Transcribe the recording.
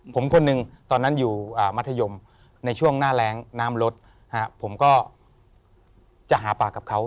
ผมคนหนึ่งตอนนั้นอยู่มัธยมในช่วงหน้าแรงน้ำลดผมก็จะหาปากกับเขา